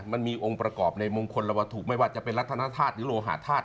มันมีองค์ประกอบในมงคลและวัตถุไม่ว่าจะเป็นรัฐนาธาตุหรือโลหาธาตุ